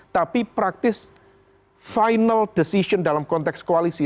tapi praktis final decision dalam konteks koalisi